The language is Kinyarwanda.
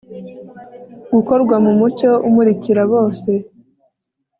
Gukorwa mu mucyo umurikira bose